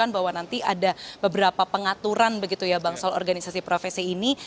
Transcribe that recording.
bahwa nanti ada beberapa pengaturan begitu ya bang soal organisasi profesi ini